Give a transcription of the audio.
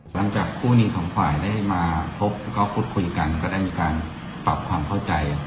หลังจากคู่นิของควัยได้มาพบก็พูดกลับกันก็ได้มีการปรับความเข้าใจ